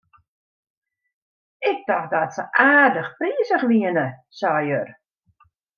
Ik tocht dat se aardich prizich wienen, sei er.